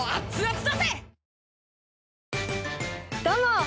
どうも！